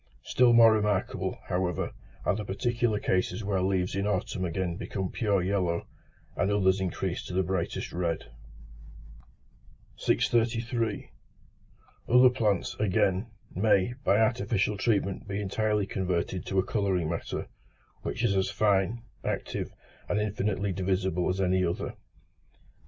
Still more remarkable, however, are the particular cases where leaves in autumn again become pure yellow, and others increase to the brightest red. 633. Other plants, again, may, by artificial treatment be entirely converted to a colouring matter, which is as fine, active, and infinitely divisible as any other.